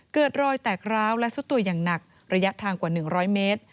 เกิดรอยแตกร้าวและซุดตัวอย่างหนักระยะทางกว่า๑๐๐เมตร